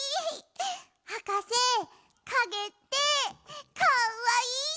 はかせかげってかわいいね！